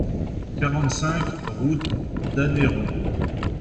quarante-cinq route d'Anneyron